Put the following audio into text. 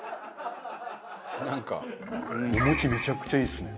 お餅めちゃくちゃいいですね。